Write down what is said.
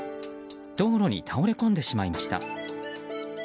道路に倒れ込んでしまいました。